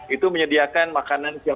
itu menyediakan makanan kesehatan